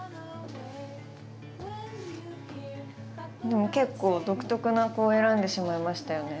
でも結構独特な子を選んでしまいましたよね。